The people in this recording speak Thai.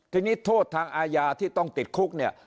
ทีนี้โทษทางอาญาที่ต้องติดคุกเนี่ย